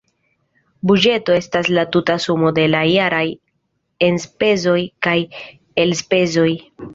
Buĝeto estas la tuta sumo de la jaraj enspezoj kaj elspezoj.